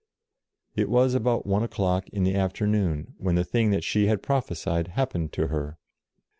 It was about one o'clock in the afternoon, when the thing that she had prophesied happened to her.